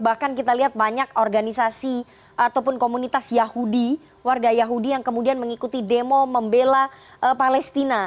bahkan kita lihat banyak organisasi ataupun komunitas yahudi warga yahudi yang kemudian mengikuti demo membela palestina